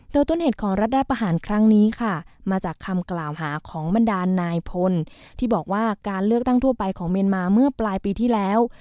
โดยต้นเหตุของรัฐประหารครั้งนี้ค่ะมาจากคำกล่าวหาของบรรดาลนายพลที่บอกว่าการเลือกตั้งทั่วไปของเมียนมาเมื่อปลายปีที่แล้ว